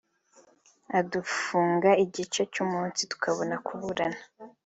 adufunga igice cy’umunsi tubona kuburana